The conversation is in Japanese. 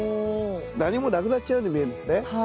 何もなくなっちゃうように見えるんですね。